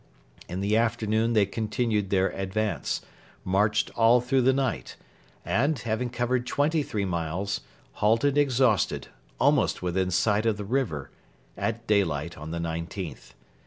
In the afternoon they continued their advance, marched all through the night, and, having covered twenty three miles, halted exhausted, almost within sight of the river, at daylight on the 19th.